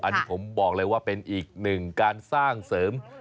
อันนี้ผมบอกเลยว่าเป็นอีกหนึ่งการสร้างเสริม